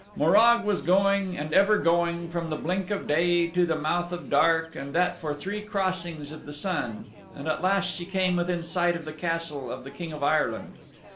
Morag was going and ever going from the blink of day to the mouth of dark and that for three crossings of the sun, and at last she came within sight of the Castle of the King of Ireland.